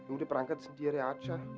udah berangkat sendiri aja